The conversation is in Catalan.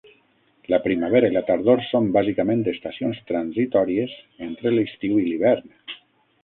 La primavera i la tardor són bàsicament estacions transitòries entre l'estiu i l'hivern.